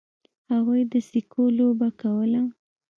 هغوی د سکو لوبه کوله.